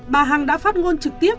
bà hằng đã phát ngôn trực tiếp